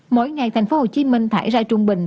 mỗi ngày thành phố hồ chí minh thải ra trung bình